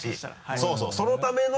そうそうそのための。